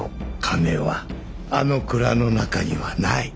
金はあの蔵の中にはない。